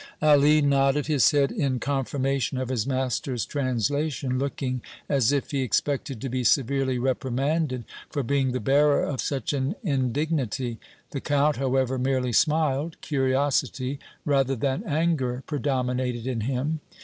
Ali nodded his head in confirmation of his master's translation, looking as if he expected to be severely reprimanded for being the bearer of such an indignity. The Count, however, merely smiled. Curiosity rather than anger predominated in him.